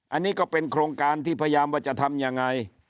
อันนี้ก็เป็นโครงการที่พยายามว่าจะทำยังไง